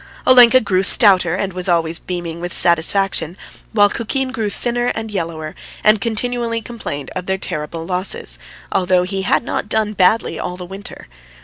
Olenka grew stouter, and was always beaming with satisfaction, while Kukin grew thinner and yellower, and continually complained of their terrible losses, although he had not done badly all the winter.